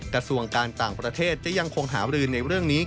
กระทรวงการต่างประเทศจะยังคงหารือในเรื่องนี้